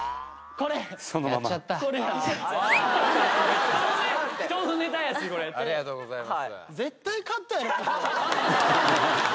これありがとうございます